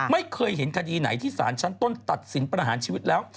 ไม่เคยเห็นคดีไหนที่สารชั้นต้นตัดสินประหารชีวิตแล้ว